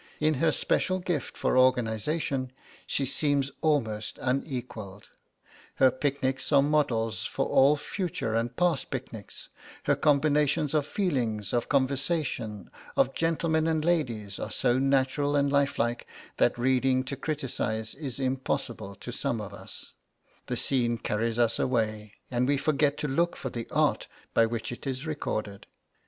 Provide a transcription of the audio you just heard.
In her special gift for organisation she seems almost unequalled. Her picnics are models for all future and past picnics; her combinations of feelings, of conversation, of gentlemen and ladies, are so natural and lifelike that reading to criticise is impossible to some of us the scene carries us away, and we forget to look for the art by which it is recorded.